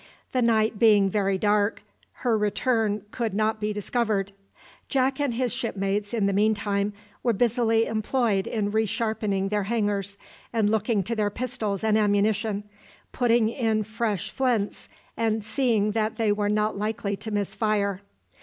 The night being very dark, her return could not be discovered. Jack and his shipmates, in the meantime, were busily employed in re sharpening their hangers, and looking to their pistols and ammunition, putting in fresh flints, and seeing that they were not likely to miss fire.